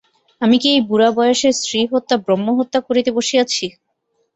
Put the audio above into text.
আমি কি এই বুড়াবয়সে স্ত্রীহত্যা ব্রহ্মহত্যা করিতে বসিয়াছি।